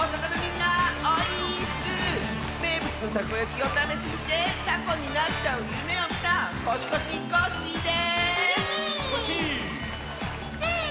めいぶつのたこやきをたべすぎてたこになっちゃうゆめをみたコシコシコッシーです！